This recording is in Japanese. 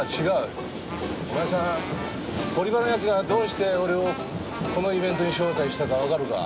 お前さん堀場の奴がどうして俺をこのイベントに招待したかわかるか？